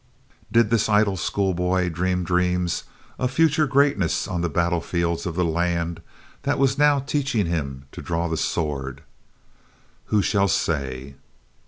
Did this idle schoolboy dream dreams of future greatness on the battlefields of the land that was now teaching him to draw the sword? Who shall say.